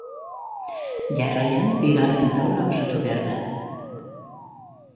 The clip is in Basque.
Jarraian bigarren taula osatu behar da.